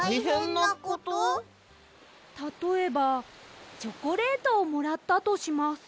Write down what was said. たとえばチョコレートをもらったとします。